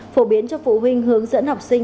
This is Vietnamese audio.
phổ biến cho phụ huynh hướng dẫn học sinh